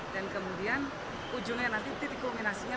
dan kemudian ujungnya nanti titik kombinasinya